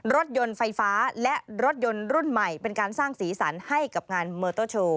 รถยนต์ไฟฟ้าและรถยนต์รุ่นใหม่เป็นการสร้างสีสันให้กับงานมอเตอร์โชว์